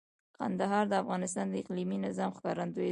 کندهار د افغانستان د اقلیمي نظام ښکارندوی ده.